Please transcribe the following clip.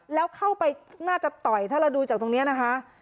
แล้วเข้าไปน่าจะต่อยถ้าเราดูจากตรงนี้นะคะ